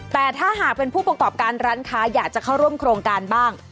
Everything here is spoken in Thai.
แต่ถ้าหากเป็นผู้ประกอบการร้านค้าอยากจะเข้าร่วมโครงการบ้าง